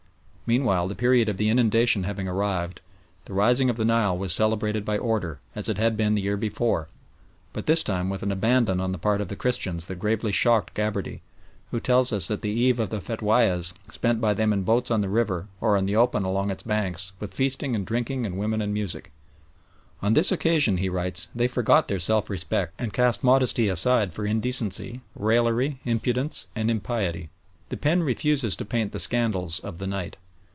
Meanwhile, the period of the inundation having arrived, the rising of the Nile was celebrated by order, as it had been the year before, but this time with an abandon on the part of the Christians that gravely shocked Gabarty, who tells us that the eve of the fête was spent by them in boats on the river, or in the open along its banks, with feasting and drinking and women and music. "On this occasion," he writes, "they forgot their self respect and cast modesty aside for indecency, raillery, impudence, and impiety. The pen refuses to paint the scandals of the night.